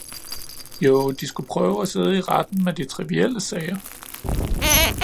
jo, De skulle prøve, at sidde i retten med de trivielle sager!